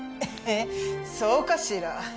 えっそうかしら？